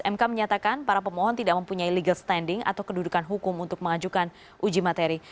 mk menyatakan para pemohon tidak mempunyai legal standing atau kedudukan hukum untuk mengajukan uji materi